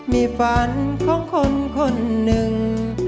มีฝันของคนคนหนึ่ง